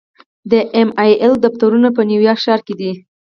د ایم ایل اې دفترونه په نیویارک ښار کې دي.